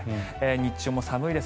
日中も寒いです。